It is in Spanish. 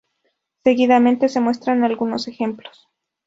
Seguidamente se muestran algunos ejemplos.